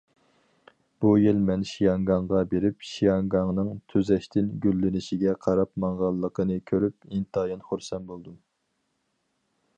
بۇ يىل مەن شياڭگاڭغا بېرىپ، شياڭگاڭنىڭ تۈزەشتىن گۈللىنىشكە قاراپ ماڭغانلىقىنى كۆرۈپ، ئىنتايىن خۇرسەن بولدۇم.